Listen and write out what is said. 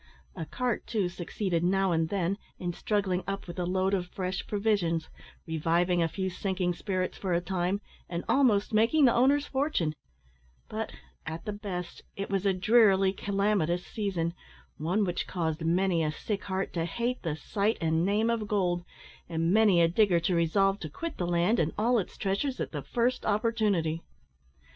A cart, too, succeeded now and then in struggling up with a load of fresh provisions; reviving a few sinking spirits for a time, and almost making the owner's fortune; but, at the best, it was a drearily calamitous season, one which caused many a sick heart to hate the sight and name of gold, and many a digger to resolve to quit the land, and all its treasures, at the first opportunity.